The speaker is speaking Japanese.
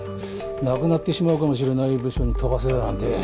なくなってしまうかもしれない部署に飛ばせだなんて